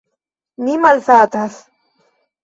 Mi malsatas.